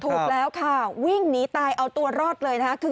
ถูกแล้วค่ะวิ่งหนีตายเอาตัวรอดเลยนะคะ